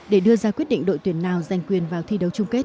để đưa ra quyết định đội tuyển nào giành quyền vào thi đấu chung kết